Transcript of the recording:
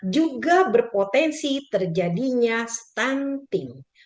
juga berpotensi terjadinya stunting